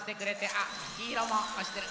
あっきいろもおしてる。